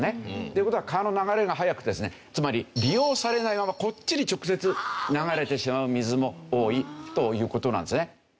という事は川の流れが速くてですねつまり利用されないままこっちに直接流れてしまう水も多いという事なんですね。